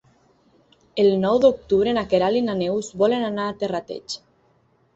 El nou d'octubre na Queralt i na Neus volen anar a Terrateig.